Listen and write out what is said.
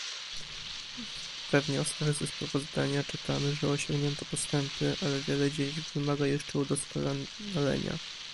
We wnioskach ze sprawozdania czytamy, że osiągnięto postępy, ale wiele dziedzin wymaga jeszcze udoskonalenia